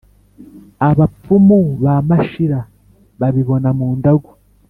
abapfumu ba mashira babibona mu ndagu,